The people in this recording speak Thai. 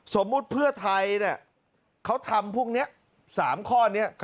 สมมุติเพื่อไทยเขาทำพวกนี้๓ข้อนี้